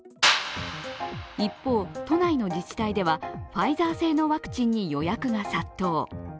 一方、都内の自治体ではファイザー製のワクチンに予約が殺到。